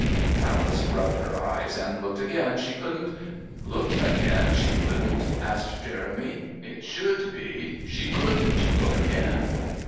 'Alice rubbed her eyes and looked again she couldn't '" "'Looked again she couldn't'?" asked Jeremy. "It should be, 'she couldn't look again.'"